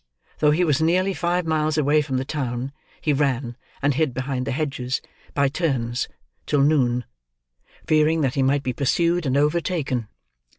Though he was nearly five miles away from the town, he ran, and hid behind the hedges, by turns, till noon: fearing that he might be pursued and overtaken.